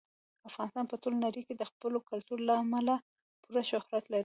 افغانستان په ټوله نړۍ کې د خپل کلتور له امله پوره شهرت لري.